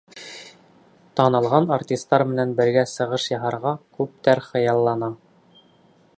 Танылған артистар менән бергә сығыш яһарға күптәр хыяллана.